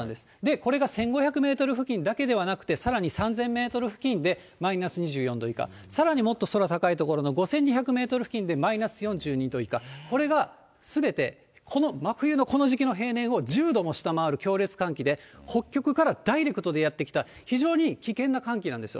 これが１５００メートル付近ではなくて、さらに３０００メートル付近でマイナス２４度以下、さらにもっと空高い所の５２００メートル付近でマイナス４２度以下、これがすべて、この真冬のこの時期の平年を１０度も下回る強烈寒気で、北極からダイレクトでやって来た非常に危険な寒気なんですよ。